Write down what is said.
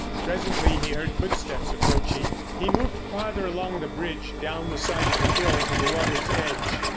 Presently he heard footsteps approaching, and he moved farther along the bridge down the side of the hill to the water's edge.